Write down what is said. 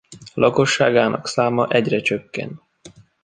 Lakosságának száma egyre csökken.